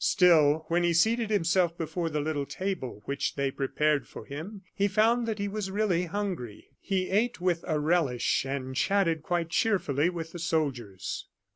Still, when he seated himself before the little table which they prepared for him, he found that he was really hungry. He ate with a relish, and chatted quite cheerfully with the soldiers.